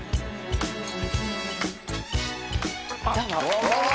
どうも。